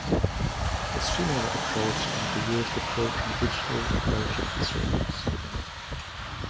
A similar approach can be used to program digital logic circuits.